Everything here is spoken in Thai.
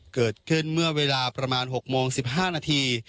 เกิดขึ้นเมื่อเวลาประมาณ๖โมง๑๕นาที